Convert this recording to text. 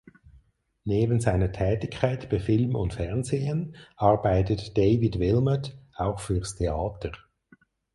Neben seiner Tätigkeit bei Film und Fernsehen arbeitet David Wilmot auch fürs Theater.